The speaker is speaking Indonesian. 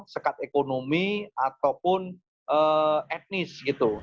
sekat ekonomi ataupun etnis